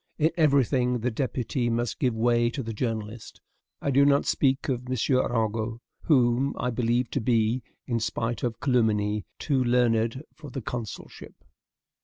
In every thing the deputy must give way to the journalist. I do not speak of M. Arago, whom I believe to be, in spite of calumny, too learned for the consulship.